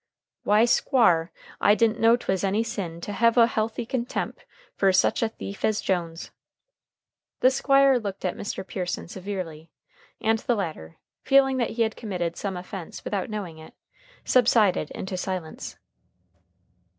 "Why, Squar, I didn't know 'twas any sin to hev a healthy contemp' fer sech a thief as Jones!" The Squire looked at Mr. Pearson severely, and the latter, feeling that he had committed some offense without knowing it, subsided into silence.